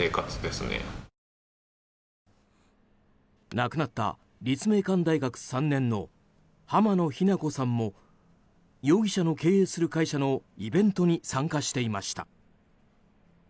亡くなった立命館大学３年の浜野日菜子さんも容疑者の経営する会社のイベントに参加していました。